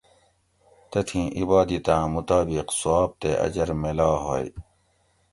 تتھیں عِبادِتاۤں مُطابِق ثواب تے اجر میلا ہوئ